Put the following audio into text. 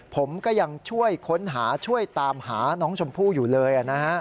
ผมก็ยังช่วยค้นหาช่วยตามหาน้องชมพู่อยู่เลย